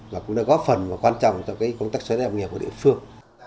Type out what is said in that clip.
và cũng đã góp phần và quan trọng cho cái công tác xóa đẹp nghiệp của địa phương